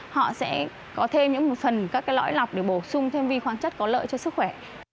họ sẽ có thêm những phần các lõi lọc để bổ sung thêm vi khoáng chất có lợi cho sức khỏe